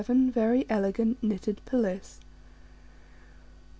] Very elegant Knitted Pelisse.